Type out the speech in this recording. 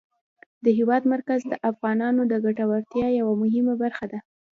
د هېواد مرکز د افغانانو د ګټورتیا یوه مهمه برخه ده.